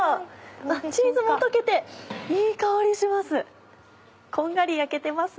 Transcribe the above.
チーズも溶けていい香りします。